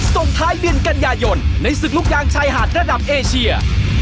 ส่งท้ายเดือนกันยายนในศึกลูกยางชายหาดระดับเอเชีย